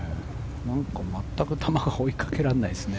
なんか、全く球が追いかけられないですね。